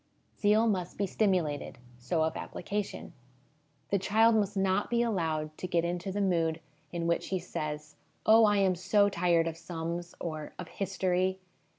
Zeal must be stimulated. So of application. The child must not be allowed to get into the mood I$O HOME EDUCATION in which he says, 'Oh, I am so tired of sums,' or 'of history.'